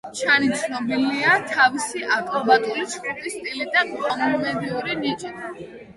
ჩანი ცნობილია თავისი აკრობატული ჩხუბის სტილით და კომედიური ნიჭით.